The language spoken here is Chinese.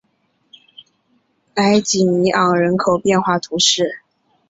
莱济尼昂人口变化图示